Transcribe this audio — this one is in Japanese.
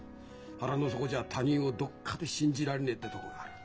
腹の底じゃ他人をどっかで信じられねえってとこがある。